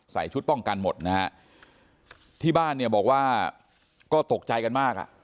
ชุดป้องกันหมดนะฮะที่บ้านเนี่ยบอกว่าก็ตกใจกันมากอ่ะ